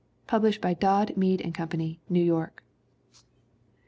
Published by Dodd, Mead & Company, New York.